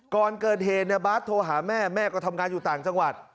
ก่อนเกิดเหตุเนี่ยบาร์ดโทรหาแม่แม่ก็ทำงานอยู่ต่างจังหวัด